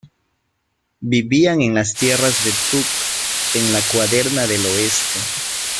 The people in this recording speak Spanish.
Vivían en las Tierras de Tuk, en la Cuaderna del Oeste.